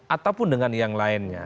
ataupun dengan yang lainnya